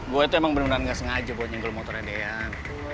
gue itu emang bener bener gak sengaja buat nyenggol motornya dean